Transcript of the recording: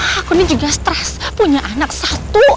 aku ini juga stres punya anak satu